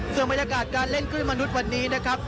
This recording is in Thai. ส่วนบรรยากาศการเล่นคลื่นมนุษย์วันนี้นะครับ